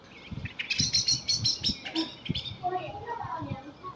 第二次印巴战争爆发后巴基斯坦军队征用巴基斯坦国际航空做货流和运输服务。